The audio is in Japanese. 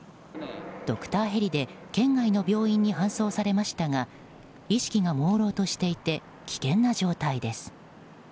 ドクターヘリで県外の病院に搬送されましたが意識がもうろうとしていて危険な状態です。